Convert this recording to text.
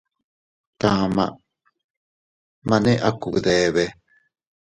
Tama maʼne a kubdebe.